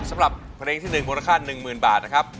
สำหรับเพลงที่๑มูลค่า๑๐๐๐บาทนะครับ